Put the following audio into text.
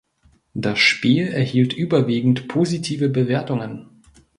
Das Spiel erhielt überwiegend positive Bewertungen.